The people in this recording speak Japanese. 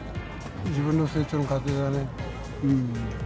自分の成長の過程だね。